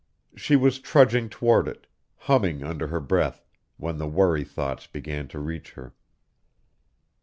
She was trudging toward it, humming under her breath, when the worry thoughts began to reach her.